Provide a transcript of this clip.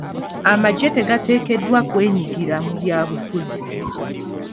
Amagye tegateekeddwa kwenyigira mu byabufuzi.